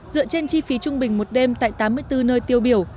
dựa trên chi phí trung bình một đêm tại tám mươi bốn nơi tiêu biểu